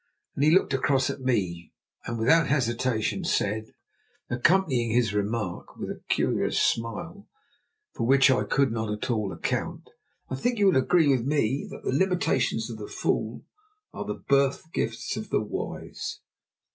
Then he looked across at me and without hesitation said, accompanying his remark with a curious smile, for which I could not at all account: "I think you will agree with me that the limitations of the fool are the birth gifts of the wise!"